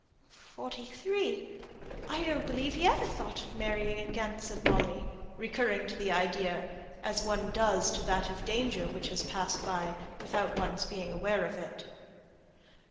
"Forty three. I don't believe he ever thought of marrying again," said Molly, recurring to the idea, as one does to that of danger which has passed by, without one's being aware of it.